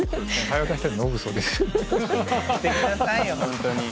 やめてくださいよ本当に。